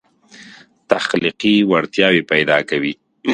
تخلیقي وړتیاوې پیدا کوي.